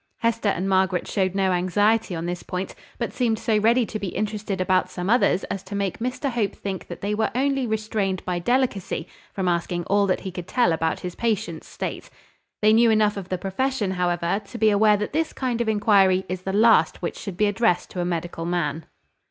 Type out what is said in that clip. Hester and Margaret showed no anxiety on this point, but seemed so ready to be interested about some others as to make Mr Hope think that they were only restrained by delicacy from asking all that he could tell about his patient's state. They knew enough of the profession, however, to be aware that this kind of inquiry is the last which should be addressed to a medical man.